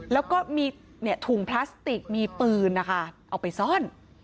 แล้วก็มีถุงพลาสติกมีปืนนะคะเอาไปซ่อน